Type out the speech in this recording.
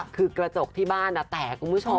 คือกระจกที่บ้านจะแตก